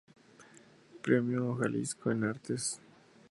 Premio Jalisco en Artes.